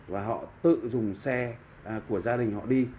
và họ tự dùng xe của gia đình họ đi